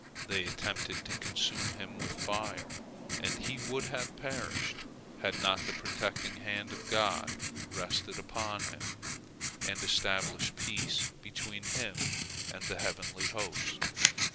They attempted to consume him with fire, and he would have perished, had not the protecting hand of God rested upon him, and established peace between him and the heavenly host.